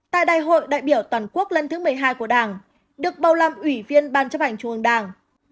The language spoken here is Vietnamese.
tại đại hội đại biểu toàn quốc lần thứ một mươi hai của đảng được bầu làm ủy viên ban chấp hành trung ương đảng